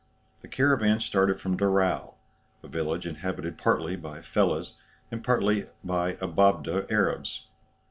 The caravan started from Daraou, a village inhabited partly by fellahs and partly by Ababdéh Arabs.